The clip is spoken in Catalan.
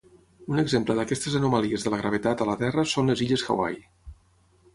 Un exemple d'aquestes anomalies de la gravetat a la Terra són les illes Hawaii.